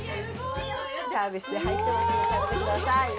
サービスで入ってますので、使ってください。